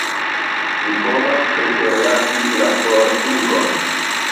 Vi povas preterlasi la forflugon.